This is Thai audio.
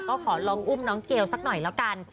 ก็ขอลองอุ้มน้องเกลสักหน่อยแล้วกัน